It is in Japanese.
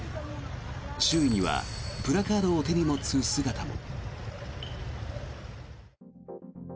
周囲にはプラカードを手に持つ姿も。